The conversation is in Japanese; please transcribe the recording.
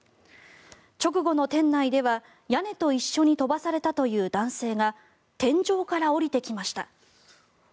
直後の店内では、屋根と一緒に飛ばされたという男性が天井から降りてきました。